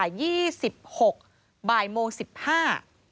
๒๖บาทบ่ายโมง๑๕น